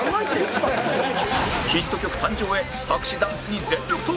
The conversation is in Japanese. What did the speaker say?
ヒット曲誕生へ作詞ダンスに全力投球！